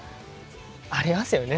ありますよね。